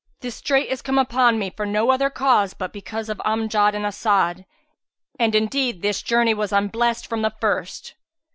This strait is come upon me for no other cause but because of Amjad and As'ad; and indeed this journey was unblest from the first!"